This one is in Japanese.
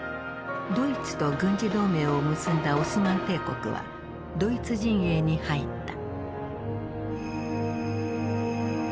ドイツと軍事同盟を結んだオスマン帝国はドイツ陣営に入った。